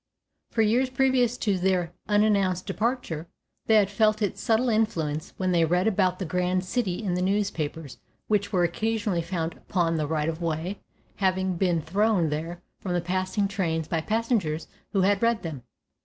For years previous to their unannounced departure they had felt its subtle influence when they read about the grand city in the newspapers which were occasionally found upon the right of way, having been thrown there from the passing trains by passengers who had read them.